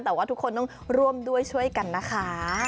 แต่ว่าทุกคนต้องร่วมด้วยช่วยกันนะคะ